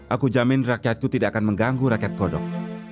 aku jamin rakyatku tidak akan mengganggu rakyat kodok